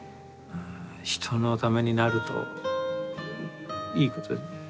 人のためになるといいこと。